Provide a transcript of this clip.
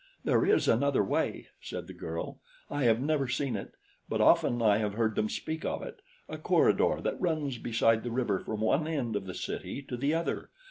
"There is another way," said the girl. "I have never seen it; but often I have heard them speak of it a corridor that runs beside the river from one end of the city to the other.